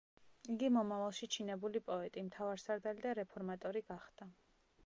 იგი მომავალში ჩინებული პოეტი, მთავარსარდალი და რეფორმატორი გახდა.